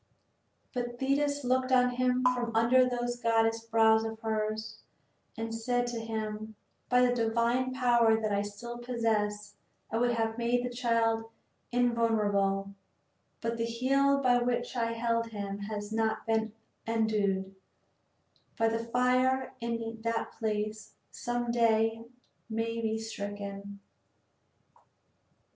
But Thetis looked on him from under those goddess brows of hers and she said to him: "By the divine power that I still possess I would have made the child invulnerable; but the heel by which I held him has not been endued by the fire and in that place some day he may be stricken.